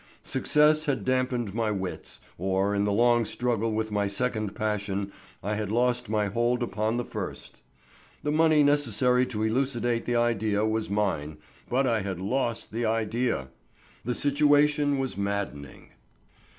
Success had dampened my wits, or in the long struggle with my second passion I had lost my hold upon the first. The money necessary to elucidate the idea was mine, but I had lost the idea! The situation was maddening.